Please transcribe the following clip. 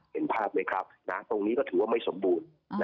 เห็นภาพไหมครับตรงนี้ก็ถือว่าไม่สมบูรณ์